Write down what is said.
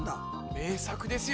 名作ですよ。